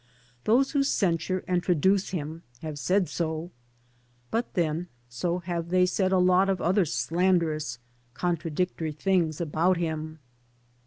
Those who censure and traduce him have said so; but then so have they said a lot of other slanderous, contradictory things about Itim.